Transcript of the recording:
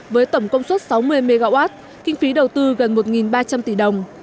với tổng công suất sáu mươi mw kinh phí đầu tư gần một ba trăm linh tỷ đồng